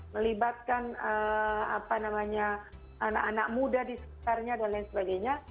melibatkan anak anak muda di sekitarnya dan lain sebagainya